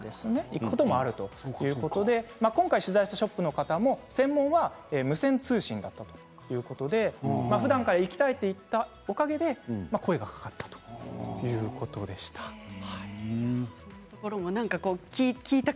行くこともあるということで今回取材したショップの方の専門は無線通信だということでふだんから行きたいと言ったおかげで声がかかったということでした。